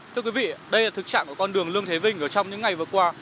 thưa quý vị đây là thực trạng của con đường lương thế vinh ở trong những ngày vừa qua